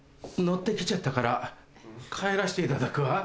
ッて来ちゃったから帰らせていただくわ。